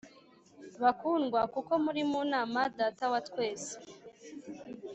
bakundwa kuko muri mu mana data wa twese